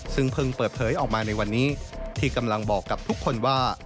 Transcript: ซึ่งเพิ่งเปิดเผยออกมาในวันนี้ที่กำลังบอกกับทุกคนว่า